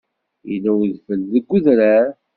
Yella udfel deg udrar?